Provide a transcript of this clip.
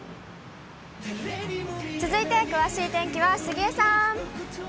続いて詳しい天気は杉江さん。